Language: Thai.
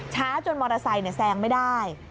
จนมอเตอร์ไซค์แซงไม่ได้